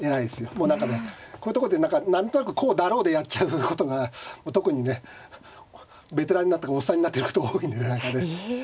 もう何かねこういうとこで何か何となくこうだろうでやっちゃうことが特にねベテランになっておっさんになっていくと多いんでね何かね。